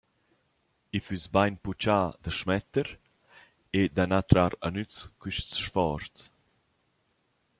I füss bain puchà da schmetter e da na trar a nüz quists sforzs.